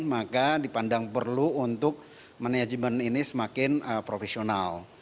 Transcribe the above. maka dipandang perlu untuk manajemen ini semakin profesional